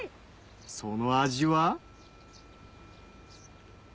その味は？